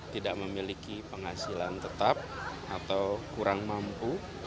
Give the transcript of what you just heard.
tidak memiliki penghasilan tetap atau kurang mampu